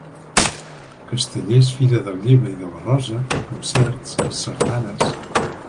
Castellers, fira del llibre i de la rosa, concerts, sardanes.